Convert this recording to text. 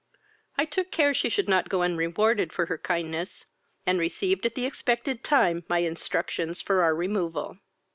I took care she should not go unrewarded for her kindness, and received at the expected time my instructions for our removal.